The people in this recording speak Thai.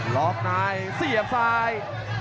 ล็อกไนด์เสียบซาย